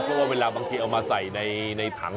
เพราะว่าเวลาบางทีเอามาใส่ในถัง